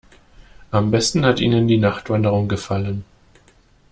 Am besten hat ihnen die Nachtwanderung gefallen.